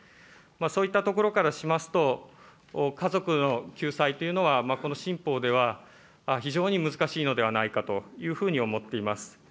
そういったところからしますと、家族の救済というのは、この新法では非常に難しいのではないかというふうに思っています。